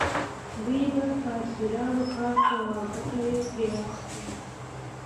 دوی به په اسیرانو کار کاوه او ګټه یې ترې اخیسته.